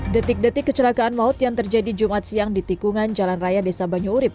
detik detik kecelakaan maut yang terjadi jumat siang di tikungan jalan raya desa banyu urib